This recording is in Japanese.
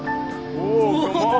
お！